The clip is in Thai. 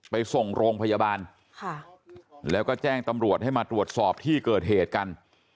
ไปส่งโรงพยาบาลแล้วก็แจ้งตำรวจให้มาตรวจสอบที่เกิดเหตุกัน